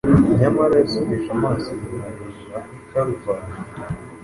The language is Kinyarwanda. Nyamara yasubije amaso inyuma areba i Karuvali,